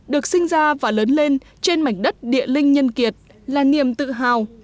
được sinh ra và lớn lên trên mảnh đất địa linh nhân kiệt là niềm tự hào